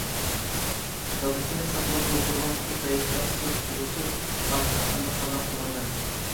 دادىسىنى ساقلاپ ئولتۇرغان شۇ پەيتتە قىز تۇيۇقسىز:- ئاچا ئەمدى قانداق قىلارمەن.